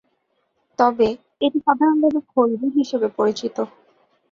তবে, এটি সাধারণভাবে খলজি হিসাবে পরিচিত।